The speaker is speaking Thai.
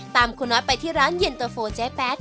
คุณน้อยไปที่ร้านเย็นเตอร์โฟเจ๊แป๊ด